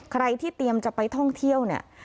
ใครที่เตรียมจะไปท่องเที่ยวเนี่ย